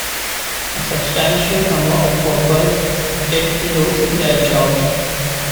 A substantial number of workers did lose their jobs.